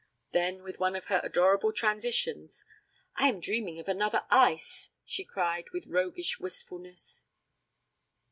Then, with one of her adorable transitions, 'I am dreaming of another ice,' she cried with roguish wistfulness.